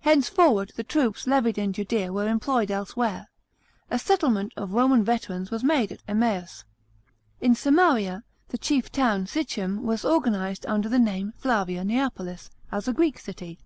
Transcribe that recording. Henceforward, the troops levied in Judea were employed elsewhere. A settlement of Roman veterans was made at Kmmaus. In Samaria, the chief town, Sichem, was organised under the name Flavia Neapolis, as a Greek city.